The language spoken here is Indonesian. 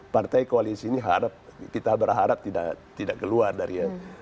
partai koalisi ini kita berharap tidak keluar dari